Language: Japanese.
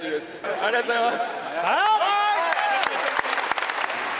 ありがとうございます。